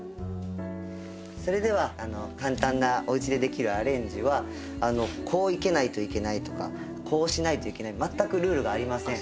それでは簡単なおうちでできるアレンジはこう生けないといけないとかこうしないといけない全くルールがありません。